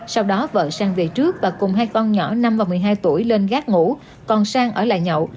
sau đó vợ sang về trước và cùng hai con nhỏ năm và một mươi hai tuổi lên gác ngủ còn sang ở lại nhậu